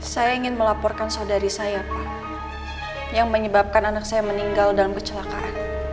saya ingin melaporkan saudari saya pak yang menyebabkan anak saya meninggal dalam kecelakaan